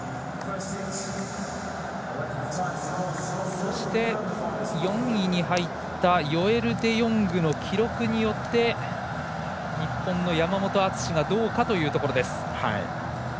そして、４位に入ったヨエル・デヨングの記録によって日本の山本篤がどうかというところです。